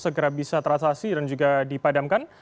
segera bisa teratasi dan juga dipadamkan